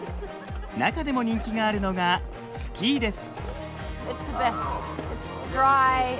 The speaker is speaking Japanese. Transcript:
中でも人気があるのがスキーです。